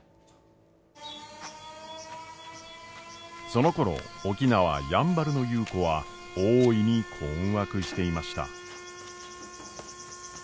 そのころ沖縄やんばるの優子は大いに困惑していました。